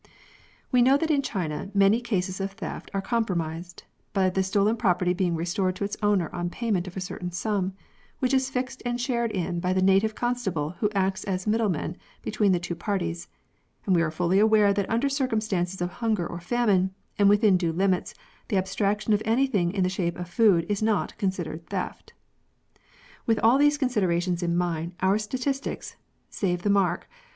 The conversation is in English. We know that in China many cases of theft are com promised, by the stolen property being restored to its owner on payment of a certain sum, which is fixed and shared in by the native constable who acts as middleman between the two parties, and we are fully aware that under circumstances of hunger or famine, and within due limits, the abstraction of anything in the shape of food is not considered theft. With all these considerations in mind, our statistics (save the mark